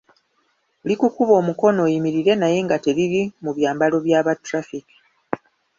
Likukuba omukono oyimirire naye nga teriri mu byambalo bya ba traffic.